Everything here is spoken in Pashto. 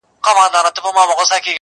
چې رکاتونه شميري نور